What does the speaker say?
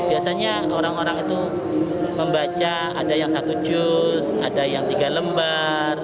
biasanya orang orang itu membaca ada yang satu jus ada yang tiga lembar